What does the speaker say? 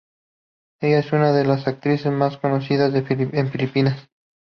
Ella es una de las actrices más conocidas en Filipinas.